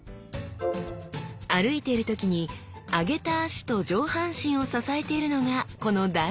歩いている時に上げた脚と上半身を支えているのがこの大臀筋。